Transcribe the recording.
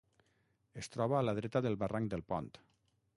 Es troba a la dreta del barranc del Pont.